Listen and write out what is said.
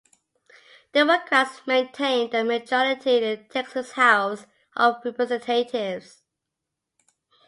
Democrats maintained their majority in the Texas House of Representatives.